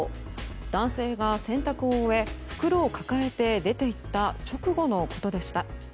男性が洗濯を終え袋を抱えて出て行った直後のことでした。